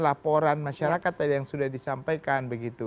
laporan masyarakat yang sudah disampaikan